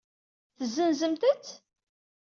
Tezenzemt-t?